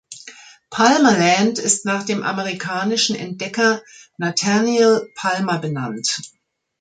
Palmerland ist nach dem amerikanischen Entdecker Nathaniel Palmer benannt.